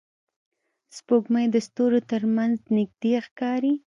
سپوږمۍ د ستورو تر منځ نږدې ښکاري